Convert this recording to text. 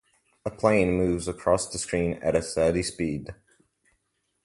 A plane moves across the screen at a steady speed.